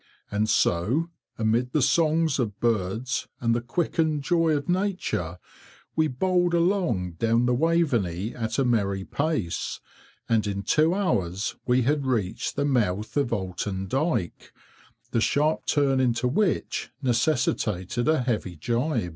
And so, amid the songs of birds and the quickened joy of nature, we bowled along down the Waveney at a merry pace, and in two hours we had reached the mouth of Oulton Dyke, the sharp turn into which necessitated a heavy gibe.